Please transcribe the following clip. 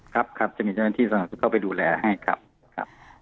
ครับครับจะมีเจ้าหน้าที่สนับสนุนเข้าไปดูแลให้ครับครับ